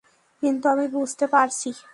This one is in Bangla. কিন্তু আমি বুঝতে পারছি।